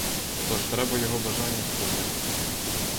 Тож треба його бажання сповняти.